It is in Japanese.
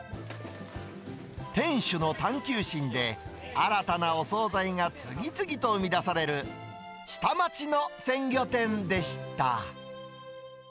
店主の探求心で新たなお総菜が次々と生み出される下町の鮮魚店でした。